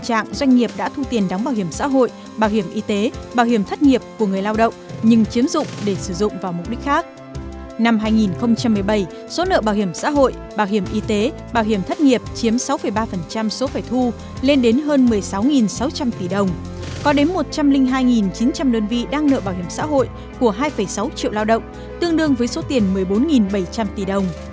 có đến một trăm linh hai chín trăm linh đơn vị đang nợ bảo hiểm xã hội của hai sáu triệu lao động tương đương với số tiền một mươi bốn bảy trăm linh tỷ đồng